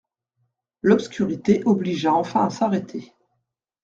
L'obscurité obligea enfin à s'arrêter.